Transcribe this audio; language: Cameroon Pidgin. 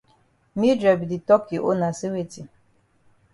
Mildred be di tok yi own na say weti?